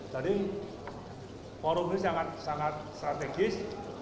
jadi forum ini sangat strategis